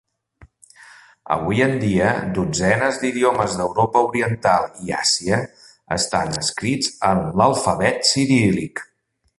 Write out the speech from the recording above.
Avui en dia, dotzenes d'idiomes d'Europa oriental i Àsia estan escrits en l'alfabet ciríl·lic.